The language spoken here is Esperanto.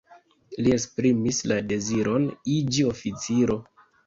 Li esprimis la deziron iĝi oficiro.